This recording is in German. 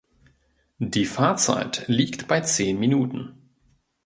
Die Fahrtzeit liegt bei zehn Minuten.